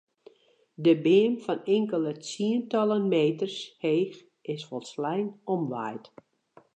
De beam fan inkelde tsientallen meters heech is folslein omwaaid.